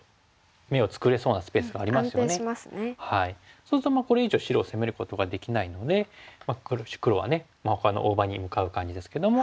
そうするとこれ以上白を攻めることができないので黒はほかの大場に向かう感じですけども。